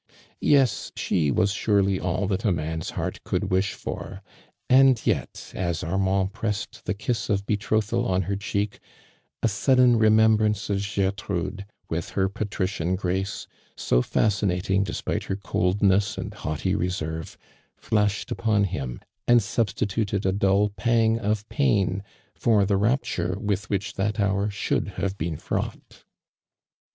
Yes, she was surely all that a man's heart could wish for, and yet as Armand pressed the kiss of betrothal on her cheek, a sudden remembrance of (Jertrude, with her patrician grace, so fascinating, despite her coldness and haughty reserve, flashed upon him and substituted a dull pang of pain for the rapture with which that hour shoukl have been fraught.